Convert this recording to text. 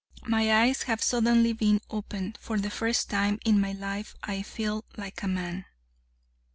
My eyes have suddenly been opened. For the first time in my life I feel like a man.'